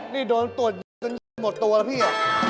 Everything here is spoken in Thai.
นี่โดรนโต๊ดหมดตัวว่ะพี่